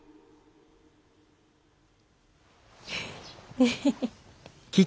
エヘヘ。